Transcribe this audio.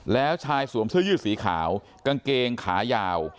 แล้วชายสวมเสื้อยืดสีขาวกางเกงขายาว